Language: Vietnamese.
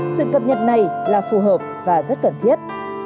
sự cập nhật này là phù hợp và rất cần thiết